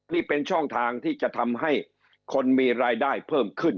นี่เป็นช่องทางที่จะทำให้คนมีรายได้เพิ่มขึ้น